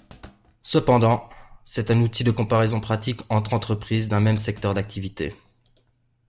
Cependant, c'est un outil de comparaison pratique entre entreprises d'un même secteur d'activité.